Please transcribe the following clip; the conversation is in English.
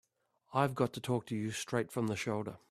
I've got to talk to you straight from the shoulder.